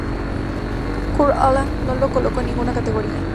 Kurt Aland no lo colocó en ninguna categoría.